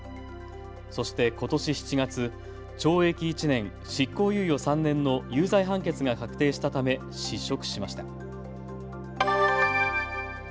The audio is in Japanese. そして、ことし７月、懲役１年、執行猶予３年の有罪判決が確定したため失職しました。